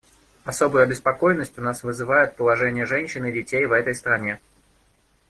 Особую обеспокоенность у нас вызывает положение женщин и детей в этой стране.